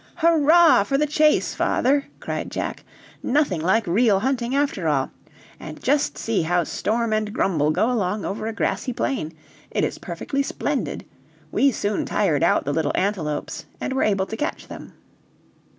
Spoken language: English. "Hurrah! for the chase, father!" cried Jack. "Nothing like real hunting after all. And just to see how Storm and Grumble go along over a grassy plain! It is perfectly splendid! We soon tired out the little antelopes, and were able to catch them."